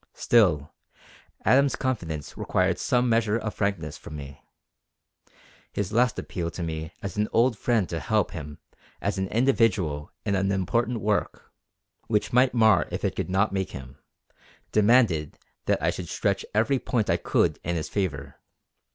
Still, Adams's confidence required some measure of frankness from me. His last appeal to me as an old friend to help him as an individual in an important work, which might mar if it could not make him, demanded that I should stretch every point I could in his favour.